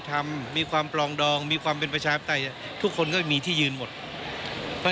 กรณีนี้ทางด้านของประธานกรกฎาได้ออกมาพูดแล้ว